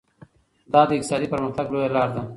دا د اقتصادي پرمختګ لویه لار ده.